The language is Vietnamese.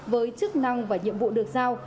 với chức năng và nhiệm vụ được giao